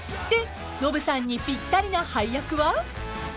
［でノブさんにぴったりな配役は？］